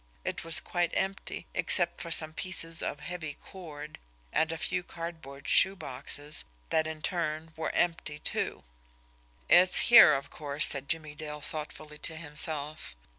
It was quite empty, except for some pieces of heavy cord, and a few cardboard shoe boxes that, in turn, were empty, too. "It's here, of course," said Jimmie Dale thoughtfully to himself.